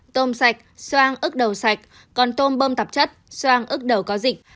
tôm sạch xoang ức đầu sạch còn tôm bơm tạp chất sang ức đầu có dịch